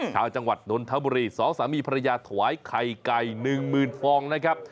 ชาวจังหวัดดนทบุรีสองสามีภรรยาถอยไข่ไก่หนึ่งหมื่นฟองนะครับ